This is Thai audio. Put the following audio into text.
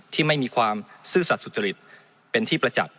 ที่ไม่มีความซื่อสัตว์สุจริตเป็นที่ประจักษ์